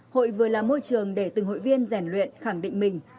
hội vừa là môi trường để từng hội viên rèn luyện khẳng định mình